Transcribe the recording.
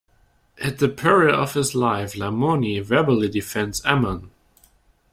At the peril of his life Lamoni verbally defends Ammon.